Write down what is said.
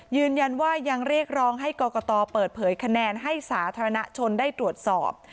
ยืนยันว่ายังเรียกร้องให้กรกตเปิดเผยคะแนนให้สาธารณชนได้ตรวจสอบ